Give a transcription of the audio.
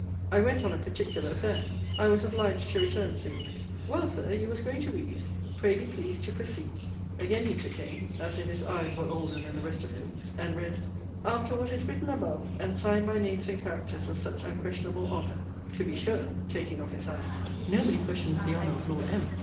I went on a particular affair: I was obliged to return soon. Well, Sir; you was going to read pray be pleased to proceed. Again he took aim, as if his eyes were older than the rest of him; and read, After what is written above, and signed by names and characters of such unquestionable honour to be sure, (taking off his eye,) nobody questions the honour of Lord M.